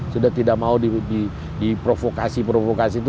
sudah tidak mau di provokasi provokasi itu